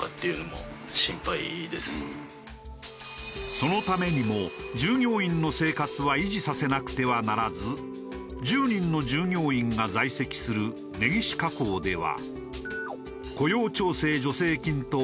そのためにも従業員の生活は維持させなくてはならず１０人の従業員が在籍する根岸火工では。